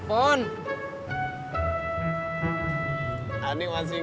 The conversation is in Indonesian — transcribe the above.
terima kasih prinsific